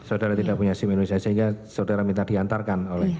saudara tidak punya sim indonesia sehingga saudara minta diantarkan oleh